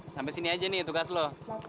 sampai sini aja nih tugas lo